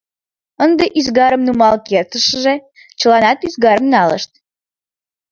Ынде ӱзгарым нумал кертшыже чыланат ӱзгарым налышт.